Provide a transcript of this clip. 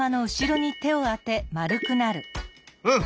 うん！